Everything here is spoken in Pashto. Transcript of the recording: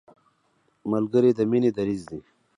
ملګری د مینې دریځ دی